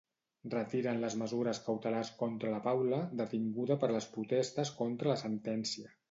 Retiren les mesures cautelars contra la Paula, detinguda per les protestes contra la sentència.